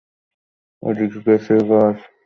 ওদিকে গেছে বস!